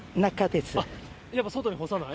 やっぱ外に干さない？